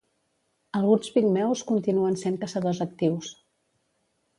Alguns pigmeus continuen sent caçadors actius.